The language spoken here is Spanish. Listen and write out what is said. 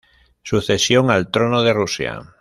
Sucesión al trono de Rusia